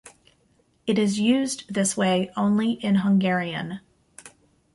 It is used this way only in Hungarian.